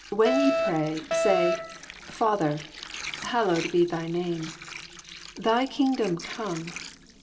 When ye pray, say. Father, Hallowed be Thy name. Thy kingdom come.